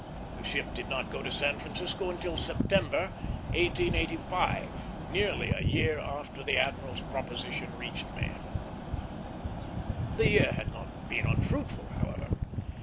The ship did not go to San Francisco till September, 1885, nearly a year after the admiral's proposition reached me. The year had not been unfruitful, however.